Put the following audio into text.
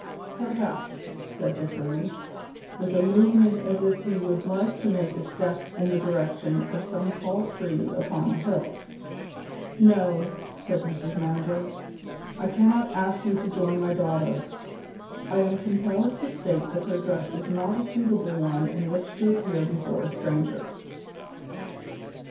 "Perhaps," said Dickory, with a movement as if he would like to make a step in the direction of some tall tree upon a hill. "No," said Mrs. Mander, "I cannot ask you to join my daughter. I am compelled to state that her dress is not a suitable one in which to appear before a stranger."